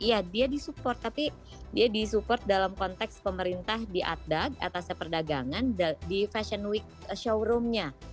iya dia di support tapi dia di support dalam konteks pemerintah di adag atasnya perdagangan di fashion week showroomnya